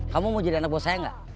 kamu mau jadi anak buah saya gak